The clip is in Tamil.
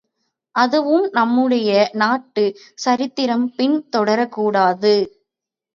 அதுவும் நம்முடைய நாட்டுச் சரித்திரம் பின் தொடரக்கூடாது.